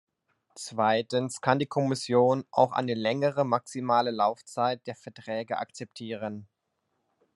Zweitens kann die Kommission auch eine längere maximale Laufzeit der Verträge akzeptieren.